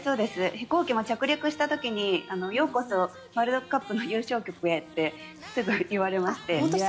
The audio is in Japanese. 飛行機も着陸した時にようこそワールドカップで優勝した国へとすごい言われまして。